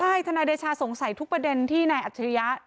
ใช่ทนายเดชาสงสัยทุกประเด็นที่นายอัจฉริยะ